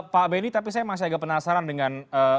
pak benny tapi saya masih agak penasaran dengan